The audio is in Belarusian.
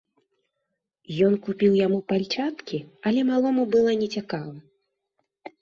Ён купіў яму пальчаткі, але малому была не цікава.